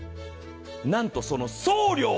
なんとその送料